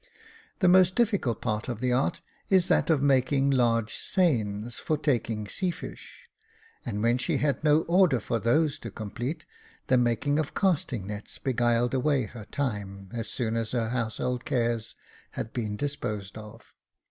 The most difficult part of the art is that of making large semes for taking sea fish ; and when she had no order for those to complete, the making of casting nets beguiled away her time as soon as her household cares had been disposed of.